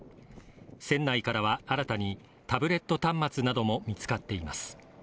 船内からは新たにタブレット端末なども見つかっています。